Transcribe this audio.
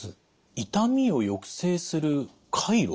痛みを抑制する回路ですか？